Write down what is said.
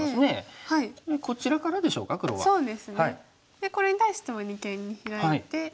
でこれに対しても二間にヒラいて。